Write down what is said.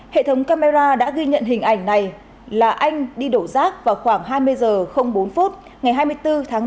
hệ thống camera đã ghi nhận hình ảnh này là anh đi đổ rác vào khoảng hai mươi h bốn ngày hai mươi bốn tháng năm